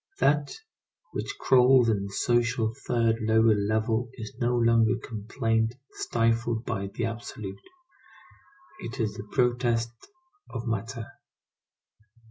That which crawls in the social third lower level is no longer complaint stifled by the absolute; it is the protest of matter.